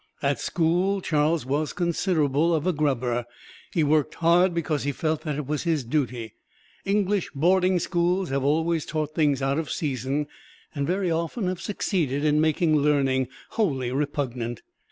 At school Charles was considerable of a grubber: he worked hard because he felt that it was his duty. English boarding schools have always taught things out of season, and very often have succeeded in making learning wholly repugnant.